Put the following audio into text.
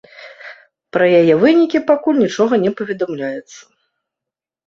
Пра яе вынікі пакуль нічога не паведамляецца.